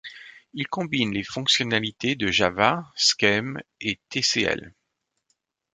Il combine les fonctionnalités de Java, Scheme et Tcl.